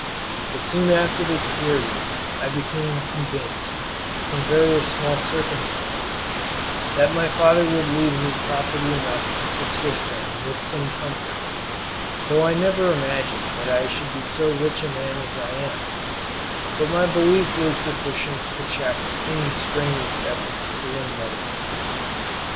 But soon after this period I became convinced from various small circumstances that my father would leave me property enough to subsist on with some comfort, though I never imagined that I should be so rich a man as I am; but my belief was sufficient to check any strenuous efforts to learn medicine.